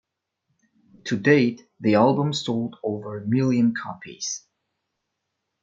To date the album sold over a million copies.